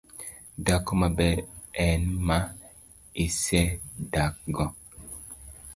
Dhako maber en ma isedakgo